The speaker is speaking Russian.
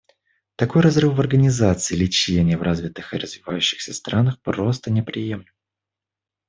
Такой разрыв в организации лечения в развитых и развивающихся странах просто неприемлем.